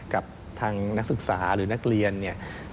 กับทางนักศึกษาหรือนักเรียนเนี่ย